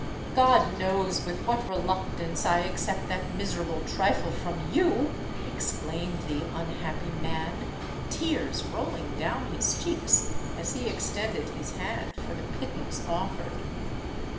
"God knows with what reluctance I accept that miserable trifle from you!" exclaimed the unhappy man, tears rolling down his cheeks, as he extended his hand for the pittance offered.